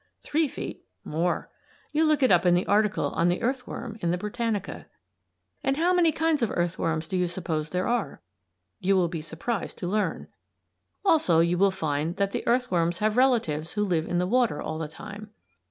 Three feet? More. You look it up in the article on the earthworm in the "Britannica." And how many kinds of earthworms do you suppose there are? You will be surprised to learn. Also, you will find that the earthworms have relatives who live in the water all the time.